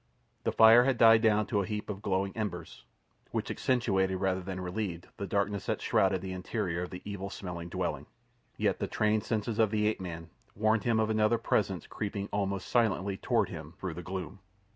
The fire had died down to a little heap of glowing embers, which accentuated rather than relieved the darkness that shrouded the interior of the evil smelling dwelling, yet the trained senses of the ape man warned him of another presence creeping almost silently toward him through the gloom.